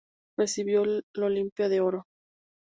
Recibió el olimpia de oro.